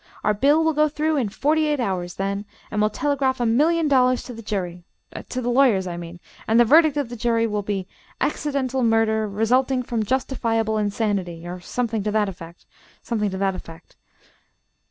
Our bill will go through in forty eight hours, then, and we'll telegraph a million dollars to the jury to the lawyers, I mean and the verdict of the jury will be 'Accidental murder resulting from justifiable insanity' or something to, that effect, something to that effect.